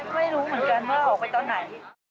ไม่รู้เหมือนกันว่าออกไปตอนไหน